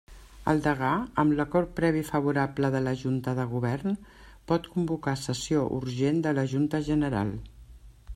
El degà, amb l'acord previ favorable de la Junta de Govern, pot convocar sessió urgent de la Junta General.